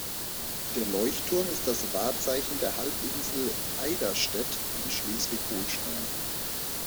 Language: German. Der Leuchtturm ist das Wahrzeichen der Halbinsel Eiderstedt in Schleswig-Holstein.